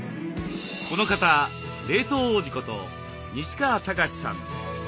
この方冷凍王子こと西川剛史さん。